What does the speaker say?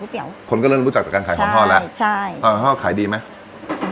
ก๋วยเตี๋ยวคนก็เริ่มรู้จักจากการขายของห้อแล้วใช่ใช่ของห้อขายดีไหม